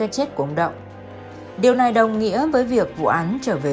nhưng đặc biệt nghiền game